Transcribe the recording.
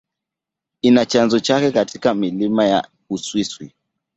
Ina chanzo chake katika milima ya Uswisi.